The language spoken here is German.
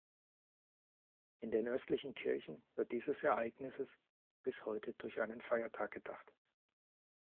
In den östlichen Kirchen wird dieses Ereignisses bis heute durch einen Feiertag gedacht.